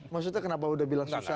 maksudnya kenapa udah bilang sukses